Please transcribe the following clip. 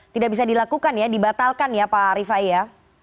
tidak bisa dilakukan ya dibatalkan ya pak rifai ya